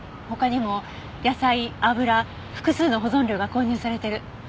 他にも野菜油複数の保存料が混入されてる。